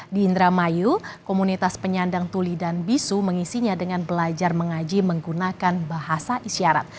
di indramayu komunitas penyandang tuli dan bisu mengisinya dengan belajar mengaji menggunakan bahasa isyarat